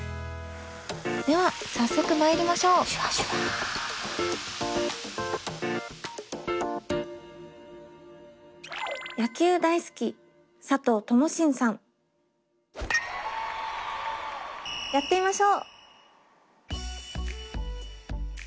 では早速まいりましょうやってみましょう。